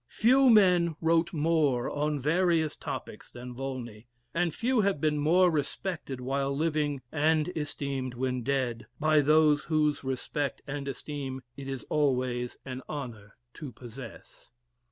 Few men wrote more on various topics than Volney; and few have been more respected while living, and esteemed when dead, by those whose respect and esteem it is always an honor to possess.